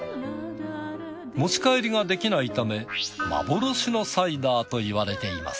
持ち帰りができないため幻のサイダーと言われています。